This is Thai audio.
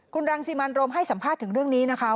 คุณรังสิมันรมให้สัมภาษณ์ถึงเรื่องนี้นะคะ